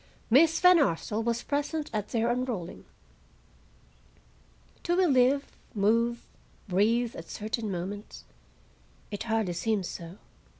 Miss Van Arsdale was present at their unrolling." Do we live, move, breathe at certain moments? It hardly seems so.